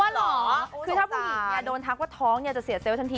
ถ้าผู้หญิงโดนทักว่าท้องจะเกลียดเซลล์ทันที